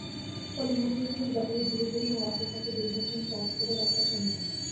ফলে মুঠোফোনের ব্যাটারি ধীরে ধীরে হারাতে থাকে দীর্ঘক্ষণ চার্জ ধরে রাখার ক্ষমতা।